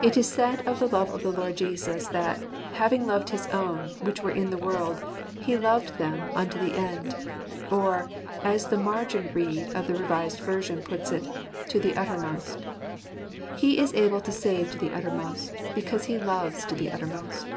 It is said of the love of the Lord Jesus that, having loved his own, which were in the world, He loved them unto the end ■ or, as the margin of the Revised Version puts it, " to the uttermost." He is able to save to the uttermost, because He loves to the uttermost.